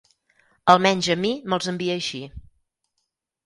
Almenys a mi me'ls envia així.